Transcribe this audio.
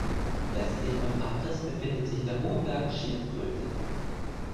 Westlich von Aris befindet sich der hohe Berg Schildkröte.